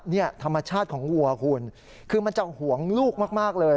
นี่ธรรมชาติของวัวคุณคือมันจะห่วงลูกมากเลย